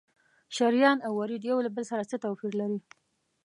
شریان او ورید یو له بل سره څه توپیر لري؟